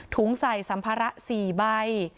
ใส่สัมภาระ๔ใบ